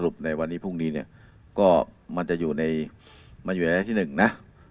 ในวันนี้พรุ่งนี้เนี่ยก็มันจะอยู่ในมันอยู่ในระยะที่หนึ่งนะ